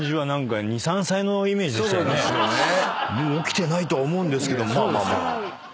もう起きてないとは思うんですけどまあまあ。